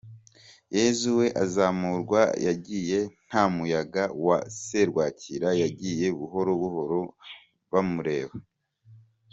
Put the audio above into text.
Yesu we azamurwa yagiye nta muyaga wa serwakira, yagiye buhoro buhoro bamureba.